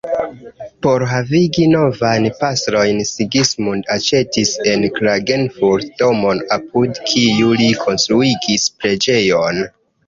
Por havigi novajn pastrojn Sigismund aĉetis en Klagenfurt domon apud kiu li konstruigis preĝejon.